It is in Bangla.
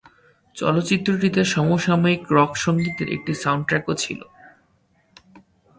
চলচ্চিত্রটিতে সমসাময়িক রক সঙ্গীতের একটি সাউন্ডট্র্যাকও ছিল।